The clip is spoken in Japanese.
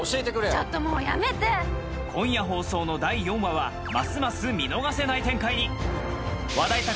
ちょっともうやめて今夜放送の第４話はますます見逃せない展開に・